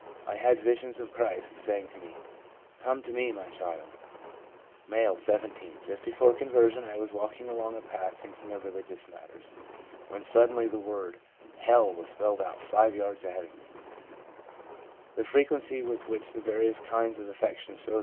M had visions of Christ, saying to me, " Come to Me, My child!" ' M., 17. 'Just before conversion I was walk ing along a pathway, thinking of religious matters, when suddenly the word H e 1 1 was spelled out five yards ahead of me/ The frequency with which the various kinds of affections show themselves is given in Table IX.